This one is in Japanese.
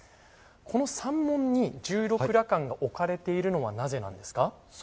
この三門に十六羅漢が置かれているのはなぜなんですか。